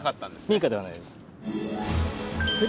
民家ではないです。